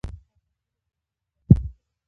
ما په همدې ځای کې یوه شېبه استراحت وکړ.